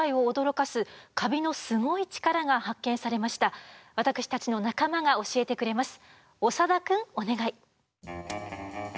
ペニシリンは私たちの仲間が教えてくれます。